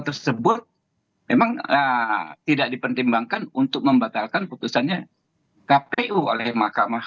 tersebut memang tidak dipertimbangkan untuk membatalkan putusannya kpu oleh mahkamah